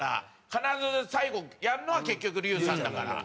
必ず最後やるのは結局竜さんだから。